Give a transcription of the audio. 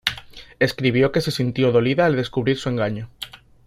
Escribió que se sintió dolida al descubrir su engaño.